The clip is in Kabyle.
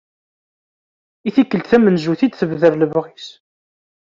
I tikkelt tamenzut i d-tebder lebɣi-s.